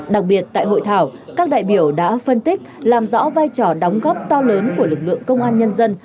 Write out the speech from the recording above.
đặc biệt tại hội thảo các đại biểu đã phân tích làm rõ vai trò đóng góp to lớn của lực lượng công an nhân dân